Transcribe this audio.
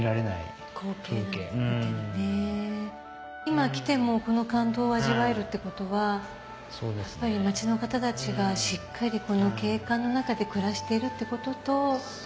今来てもこの感動を味わえるってことはやっぱり町の方たちがしっかりこの景観の中で暮らしているってことと。